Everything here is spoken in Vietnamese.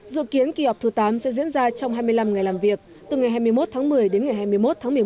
dự kiến kỳ họp thứ tám sẽ diễn ra trong hai mươi năm ngày làm việc từ ngày hai mươi một tháng một mươi đến ngày hai mươi một tháng một mươi một